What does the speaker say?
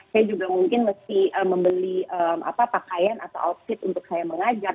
saya juga mungkin mesti membeli pakaian atau outfit untuk saya mengajar